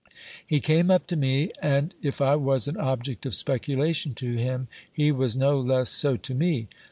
He came up to me ; and, if I was an object of speculation to him, he was no less so to me.